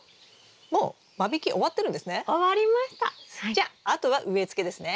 じゃああとは植えつけですね。